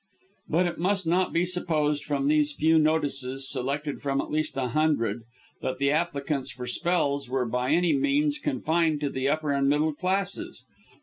But it must not be supposed from these few notices, selected from at least a hundred, that the applicants for spells were by any means confined to the upper and middle classes.